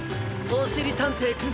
おしりたんていさん。